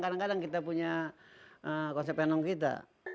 kadang kadang kita punya konsep anong kita